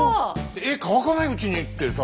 絵乾かないうちにってさ